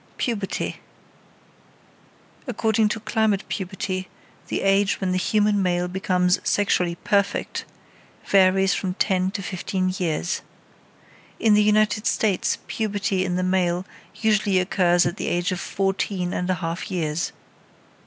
PUBERTY According to climate puberty, the age when the human male becomes sexually perfect, varies from ten to fifteen years. In the United States puberty in the male usually occurs at the age of fourteen and a half years.